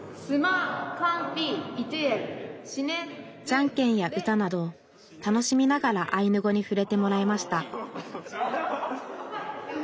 じゃんけんや歌など楽しみながらアイヌ語にふれてもらいました